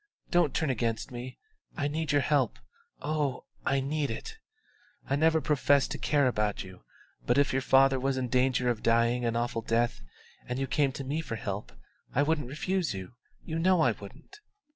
Don't turn against me; I need your help oh, I need it! I never professed to care about you; but if your father was in danger of dying an awful death and you came to me for help, I wouldn't refuse you, you know I wouldn't."